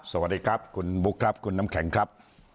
สวัสดีครับคุณบุ๊คครับคุณน้ำแข็งครับ